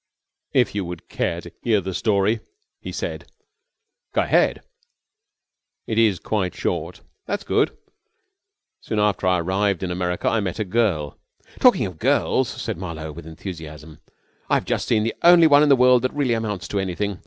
"If you would care to hear the story?" he said. "Go ahead." "It is quite short." "That's good." "Soon after I arrived in America I met a girl...." "Talking of girls," said Marlowe with enthusiasm. "I've just seen the only one in the world that really amounts to anything.